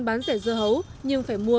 bán rẻ dưa hấu nhưng phải mua